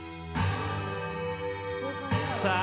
さあ